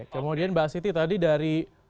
kemudian mbak siti tadi dari